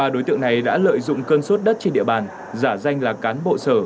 ba đối tượng này đã lợi dụng cân suất đất trên địa bàn giả danh là cán bộ sở